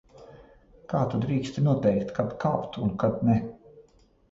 Kā tu drīksti noteikt, kad kāpt un kad ne?